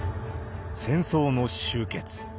戦争の終結。